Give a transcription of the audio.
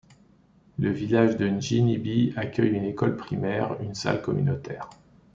Le village de Njinibi accueille une école primaire, une salle communautaire.